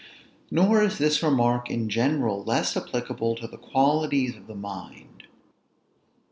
Nor is this remark in general less applicable to the qualities of the mind.